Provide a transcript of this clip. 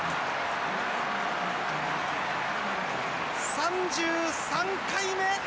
３３回目！